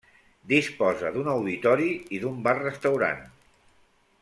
Disposa d'un auditori i d'un bar restaurant.